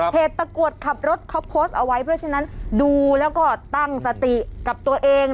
ตะกรวดขับรถเขาโพสต์เอาไว้เพราะฉะนั้นดูแล้วก็ตั้งสติกับตัวเอง